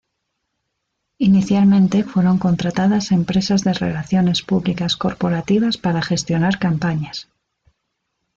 Inicialmente fueron contratadas empresas de relaciones públicas corporativas para gestionar campañas.